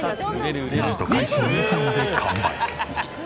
なんと開始２分で完売。